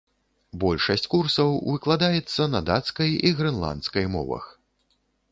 Большасць курсаў выкладаецца на дацкай і грэнландскай мовах.